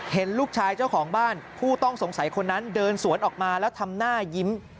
เห็นลูกชายเจ้าของบ้านผู้ต้องสงสัยคนนั้นเดินสวนออกมาแล้วทำหน้ายิ้ม